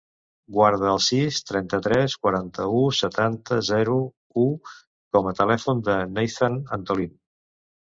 Guarda el sis, trenta-tres, quaranta-u, setanta, zero, u com a telèfon del Neizan Antolin.